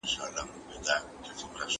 تاسي په خپل ژوند کي د چا هیله ماته کړې ده؟